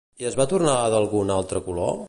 I es va tornar d'algun altre color?